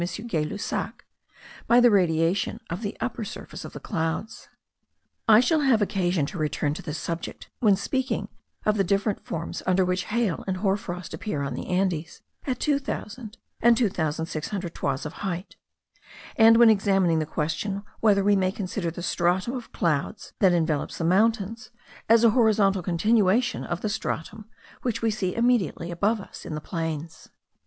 Gay Lussac, by the radiation from the upper surface of the clouds. I shall have occasion to return to this subject when speaking of the different forms under which hail and hoar frost appear on the Andes, at two thousand and two thousand six hundred toises of height; and when examining the question whether we may consider the stratum of clouds that envelops the mountains as a horizontal continuation of the stratum which we see immediately above us in the plains.